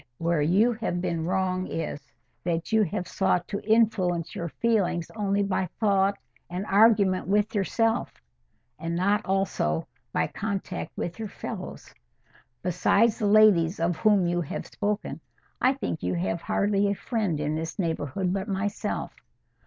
—Where you have been wrong is—that you have sought to influence your feelings only by thought and argument with yourself—and not also by contact with your fellows. Besides the ladies of whom you have spoken, I think you have hardly a friend in this neighbourhood but myself.